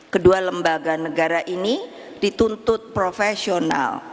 kedua lembaga negara ini dituntut profesional